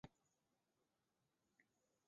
狠狠撞上红砖墙